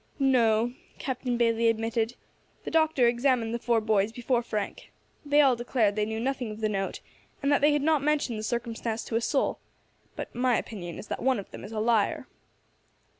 "No," Captain Bayley admitted. "The doctor examined the four boys before Frank. They all declared that they knew nothing of the note, and that they had not mentioned the circumstance to a soul; but my opinion is that one of them is a liar."